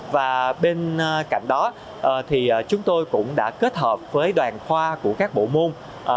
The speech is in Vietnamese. và bên cạnh đó thì chúng tôi cũng đã kết hợp với đoàn khoa của các bộ môn